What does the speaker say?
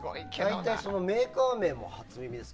大体、メーカー名も初耳です。